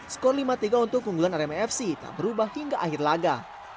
skor lima tiga untuk keunggulan arema fc tak berubah hingga akhir laga